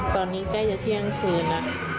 ตอนนี้ใกล้จะเที่ยงคืนแล้ว